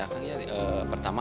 pertama ada ruang persidangan